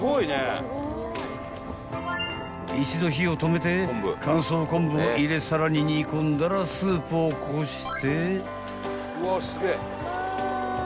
［一度火を止めて乾燥昆布を入れさらに煮込んだらスープをこして］